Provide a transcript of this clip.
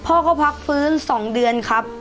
พ่อก็พักฟื้น๒เดือนครับ